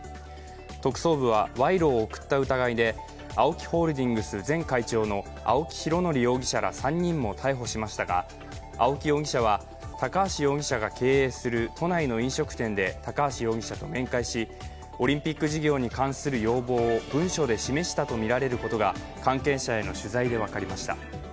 特捜部は賄賂を贈った疑いでＡＯＫＩホールディングス前会長の青木拡憲容疑者ら３人も逮捕しましたが青木容疑者は、高橋容疑者が経営する都内の飲食店で高橋容疑者と面会しオリンピック事業に関する要望を文書で示したとみられることが関係者への取材で分かりました。